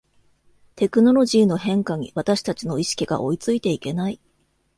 テクノロジーの変化に私たちの意識が追いついていけない